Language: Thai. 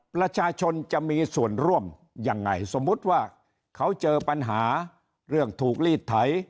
ประชาชนจะมีส่วนร่วมยังไงสมมุติว่าเขาเจอปัญหาเรื่องถูกลีดไถ